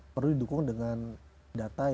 perlu didukung dengan data